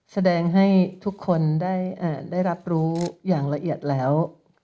แสดงให้ทุกคนได้รับรู้อย่างละเอียดแล้ว